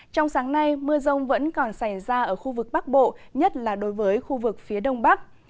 trong sáng nay mưa rông vẫn còn xảy ra ở khu vực bắc bộ nhất là đối với khu vực phía đông bắc